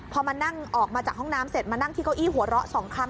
พอมานั่งออกมาจากห้องน้ำเสร็จมานั่งที่เก้าอี้หัวเราะสองครั้ง